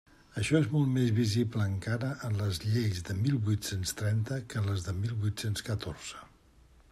Això és molt més visible encara en les lleis de mil vuit-cents trenta que en les de mil vuit-cents catorze.